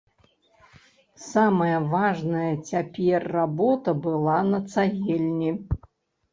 Самая важная цяпер работа была на цагельні.